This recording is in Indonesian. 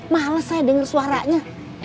males saya dengar suaranya